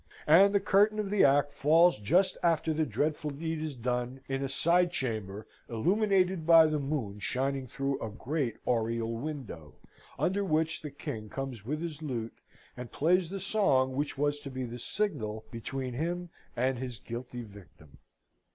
And the curtain of the act falls just after the dreadful deed is done, in a side chamber illuminated by the moon shining through a great oriel window, under which the King comes with his lute, and plays the song which was to be the signal between him and his guilty victim.